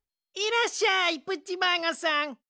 いらっしゃいプッチマーゴさん。